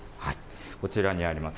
こちらにあります